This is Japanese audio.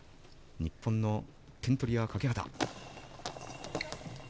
日本の点取り屋の欠端。